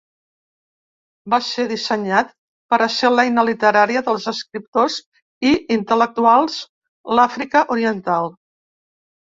Va ser dissenyat per a ser l'eina literària dels escriptors i intel·lectuals l'Àfrica oriental.